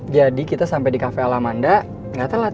jadi kita sampai di cafe alamanda gak telat